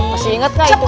masih inget gak itu kan